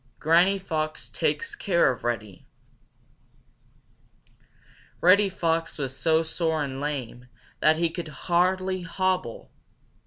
Granny Fox Takes Care of Reddy Reddy Fox was so sore and lame that he could hardly hobble.